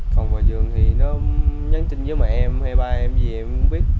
cộng vào giường thì nó nhắn tin với mẹ em hay ba em gì em cũng biết